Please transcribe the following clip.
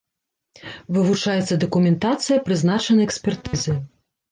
Вывучаецца дакументацыя, прызначаны экспертызы.